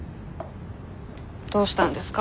どうしたんですか？